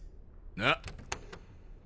なっ？